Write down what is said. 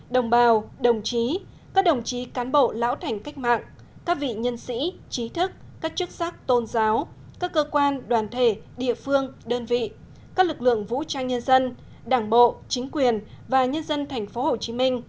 đồng bào đồng chí các đồng chí cán bộ lão thành cách mạng các vị nhân sĩ trí thức các chức sắc tôn giáo các cơ quan đoàn thể địa phương đơn vị các lực lượng vũ trang nhân dân đảng bộ chính quyền và nhân dân tp hcm